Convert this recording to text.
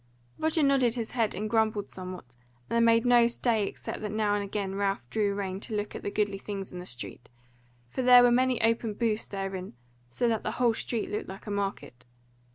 Roger nodded his head and grumbled somewhat, and they made no stay except that now and again Ralph drew rein to look at goodly things in the street, for there were many open booths therein, so that the whole street looked like a market.